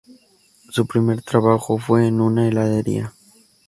Su primer trabajo fue en una heladería.